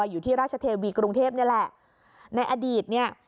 อยู่ที่ราชเทวีกรุงเทพนี่แหละในอดีตเนี่ย